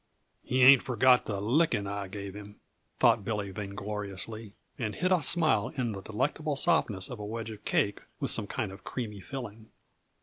"He ain't forgot the licking I gave him," thought Billy vaingloriously, and hid a smile in the delectable softness of a wedge of cake with some kind of creamy filling.